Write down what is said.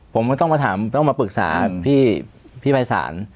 ผมก็ต้องมาถามต้องมาปรึกษาพี่ภัยศาล